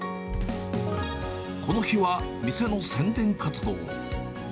この日は店の宣伝活動。